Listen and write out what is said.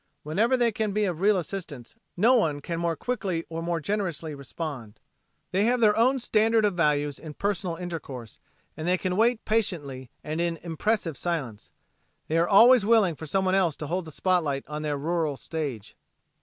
Whenever they can be of real assistance, no one can more quickly or more generously respond. They have their own standard of values in personal intercourse, and they can wait patiently and in impressive silence. They are always willing for someone else to hold the spotlight on their rural stage.